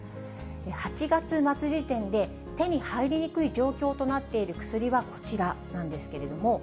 ８月末時点で手に入りにくい状況となっている薬はこちらなんですけれども。